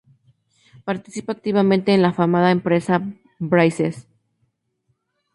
Participa activamente con la afamada empresa Brazzers.